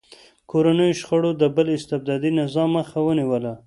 کورنیو شخړو د بل استبدادي نظام مخه ونیوله.